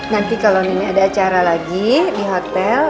nanti kalau ini ada acara lagi di hotel